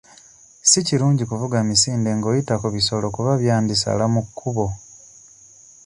Si kirungi kuvuga misinde ng'oyita ku bisolo kuba byandisala mu kkubo.